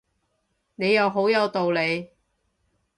你又好有道理